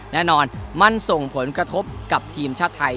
แน่นอนมันส่งผลกระทบกับทีมชาติไทย